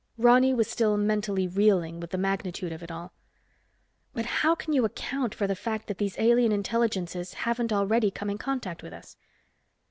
Ronny was still mentally reeling with the magnitude of it all. "But how can you account for the fact that these alien intelligences haven't already come in contact with us?"